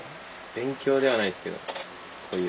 勉強ではないですけどこういう。